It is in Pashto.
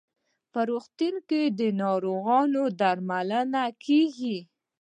په روغتون کې د ناروغانو درملنه کیږي.